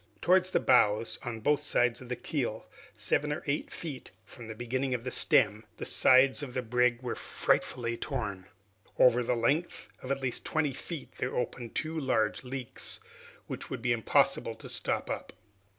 Towards the bows, on both sides of the keel, seven or eight feet from the beginning of the stem, the sides of the brig were frightfully torn. Over a length of at least twenty feet there opened two large leaks, which would be impossible to stop up.